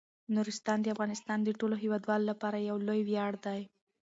نورستان د افغانستان د ټولو هیوادوالو لپاره یو لوی ویاړ دی.